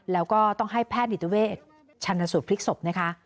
แล้วก็ต้องให้แพทย์นิตเวชชันสูตรพลิกศพนะคะ